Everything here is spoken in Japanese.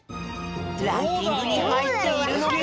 ランキングにはいっているのか？